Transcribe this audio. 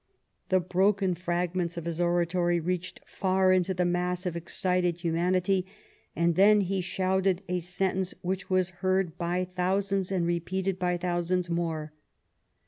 The broken fragments of his oratory reached far into the mass of excited humanity, and then he shouted a sentence, which was heard by thousands and repeated by thousands more.